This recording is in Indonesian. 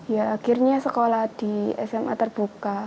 ya akhirnya sekolah di sma terbuka